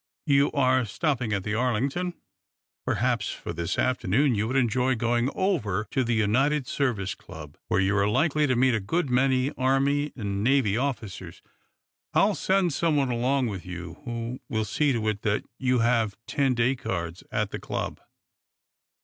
You are stopping at the Arlington? Perhaps, for this afternoon, you would enjoy going over to the United Service Club, where you are likely to meet a good many Army and Navy officers. I will send some one along with you who will see to it that you have ten day cards at the club."